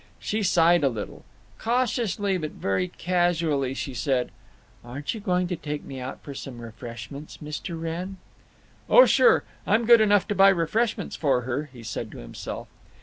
She sighed a little. Cautiously, but very casually, she said, "Aren't you going to take me out for some refreshments, Mr. Wrenn?" "Oh sure—I'm good enough to buy refreshments for her!" he said to himself.